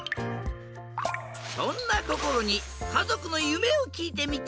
そんなこころにかぞくのゆめをきいてみた！